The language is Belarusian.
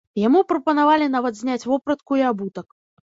Яму прапанавалі нават зняць вопратку і абутак.